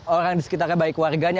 orang di sekitarnya baik warganya